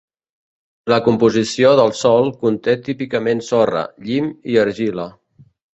La composició del sòl conté típicament sorra, llim i argila.